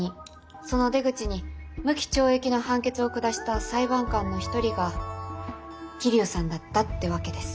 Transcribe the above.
その出口に無期懲役の判決を下した裁判官の一人が桐生さんだったってわけです。